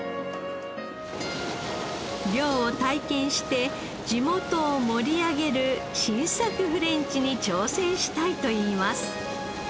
漁を体験して地元を盛り上げる新作フレンチに挑戦したいといいます。